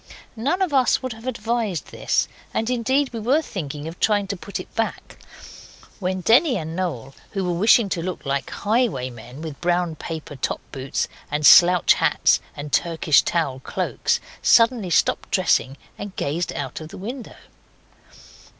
None of us would have advised this, and indeed we were thinking of trying to put it back, when Denny and Noel, who were wishing to look like highwaymen, with brown paper top boots and slouch hats and Turkish towel cloaks, suddenly stopped dressing and gazed out of the window.